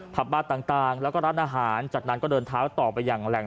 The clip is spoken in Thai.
บ้านต่างแล้วก็ร้านอาหารจากนั้นก็เดินเท้าต่อไปอย่างแหล่ง